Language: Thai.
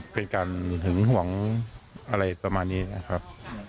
เป็นอาการหึงหวังอะไรต่อมานี้ครับ